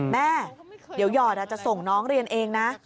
แม่เดี๋ยวหยอดจะส่งน้องเรียนเองนะ